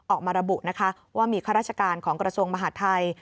ออกมาระบุว่ามีข้าราชการของกรสวงศ์มหาดไทย